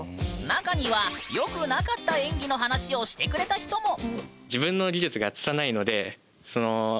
中にはよくなかった演技の話をしてくれた人も。